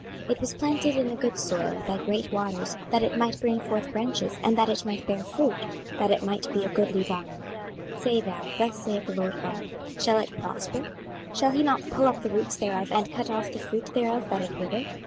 26:017:008 It was planted in a good soil by great waters, that it might bring forth branches, and that it might bear fruit, that it might be a goodly vine. 26:017:009 Say thou, Thus saith the Lord GOD; Shall it prosper? shall he not pull up the roots thereof, and cut off the fruit thereof, that it wither?